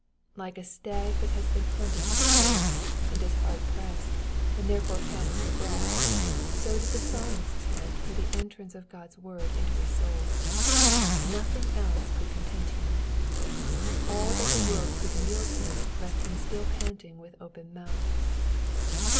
Like a stag that has been hunted in the chase, and is hard pressed, and therefore pants for breath, so did the Psalmist pant for the entrance of God's word into his soul. Nothing else could content him. All that the world could yield him left him still panting with open mouth.